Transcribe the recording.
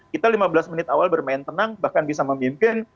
kita lima belas menit awal bermain tenang bahkan bisa memimpin